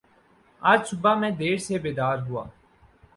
آج صبح میں دیر سے بیدار ہوا